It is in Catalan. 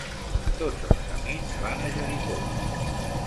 Tots els camins van a Jericó